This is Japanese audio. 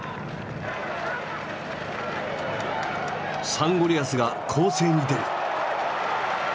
サンゴリアスが攻勢に出る。